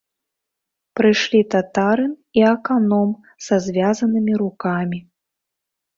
Прыйшлі татарын і аканом са звязанымі рукамі.